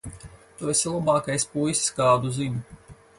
Tu esi labākais puisis, kādu zinu.